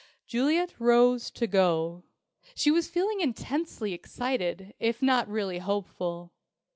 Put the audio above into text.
Juliet rose to go. She was feeling intensely excited, if not really hopeful.